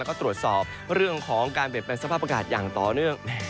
ก็ตรวจสอบเรื่องของการเปลี่ยนแปลงสภาพอากาศอย่างต่อเนื่อง